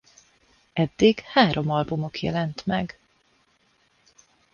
Eddig három albumuk jelent meg.